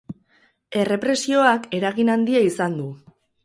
Errepresioak eragin handia izan du.